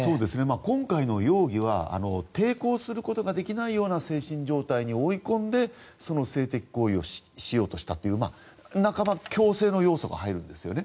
今回の容疑は抵抗することができないような精神状態に追い込んで性的行為をしようとしたという半ば強制の要素が入るんですよね。